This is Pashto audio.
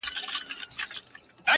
انار ګل د ارغنداو پر بګړۍ سپور سو،